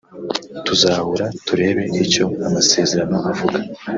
Tuzahura turebe icyo amasezerano avuga